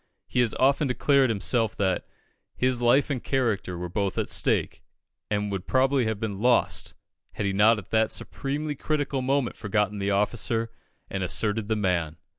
He has often declared himself that "his life and character were both at stake, and would probably have been lost, had he not at that supremely critical moment forgotten the officer and asserted the man."